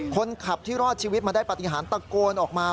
คนขับที่รอดชีวิตมาได้ปฏิหารตะโกนออกมา